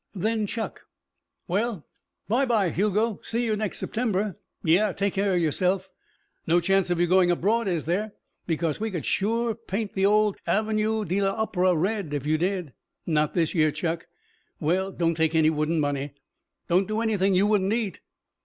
Then Chuck: "Well by by, Hugo. See you next September." "Yeah. Take care of yourself." "No chance of your going abroad, is there? Because we sure could paint the old Avenue de l'Opéra red if you did." "Not this year, Chuck." "Well don't take any wooden money." "Don't do anything you wouldn't eat."